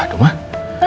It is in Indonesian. kita tunggu aja